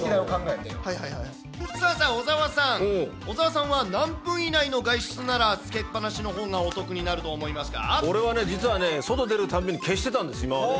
さあさあ、小澤さん、小澤さんは何分以内の外出ならつけっぱなしのほうがお得になると俺はね、実はね、外出るたんびに消してたんです、今まで。